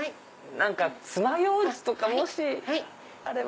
つまようじとかもしあれば。